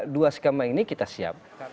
dua skema ini kita siap